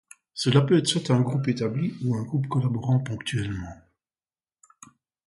Cela peut être soit un groupe établi ou un groupe collaborant ponctuellement.